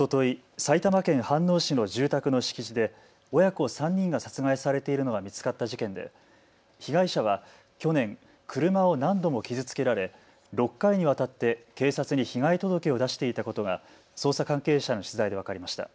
埼玉県飯能市の住宅の敷地で親子３人が殺害されているのが見つかった事件で被害者は去年、車を何度も傷つけられ６回にわたって警察に被害届を出していたことが捜査関係者への取材で分かりました。